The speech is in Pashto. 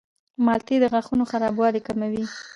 مالټې د غاښونو خرابوالی کموي.